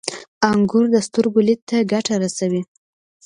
• انګور د سترګو لید ته ګټه رسوي.